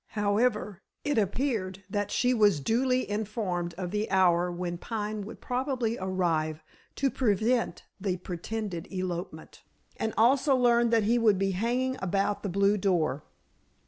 However, it appeared that she was duly informed of the hour when Pine would probably arrive to prevent the pretended elopement, and also learned that he would be hanging about the blue door.